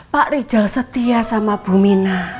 pak rijal setia sama bu mina